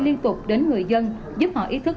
liên tục đến người dân giúp họ ý thức